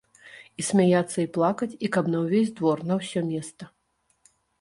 І смяяцца і плакаць, і каб на ўвесь двор, на ўсё места.